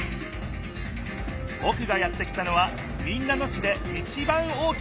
ぼくがやって来たのは民奈野市でいちばん大きなえき。